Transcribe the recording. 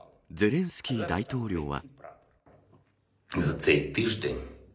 ゼレンスキー大統領は。